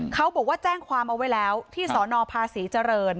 เขาบอกว่าแจ้งความเอาไว้แล้วที่สนภาษีเจริญ